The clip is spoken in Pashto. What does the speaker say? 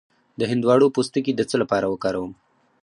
د هندواڼې پوستکی د څه لپاره وکاروم؟